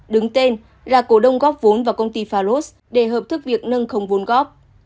đứng tên là cổ đông góp vốn vào công ty faros để hợp thức việc nâng khống vốn góp